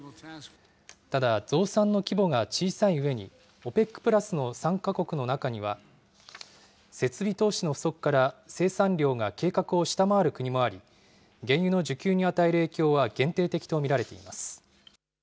ただ、増産の規模が小さいうえに、ＯＰＥＣプラスの参加国の中には、設備投資の不足から、生産量が計画を下回る国もあり、原油の需給に与える影響は限定的と見られています。